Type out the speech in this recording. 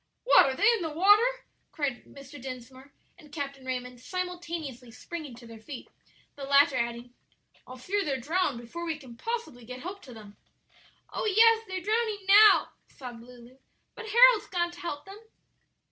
"What, are they in the water?" cried Mr. Dinsmore and Captain Raymond, simultaneously springing to their feet; the latter adding, "I fear they'll drown before we can possibly get help to them." "Oh, yes; they're drowning now," sobbed Lulu; "but Harold's gone to help them."